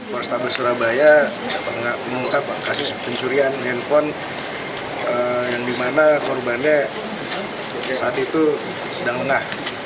pencurian handphone yang dimana korbannya saat itu sedang mengah